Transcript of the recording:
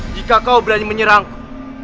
jika kau berani menyerangku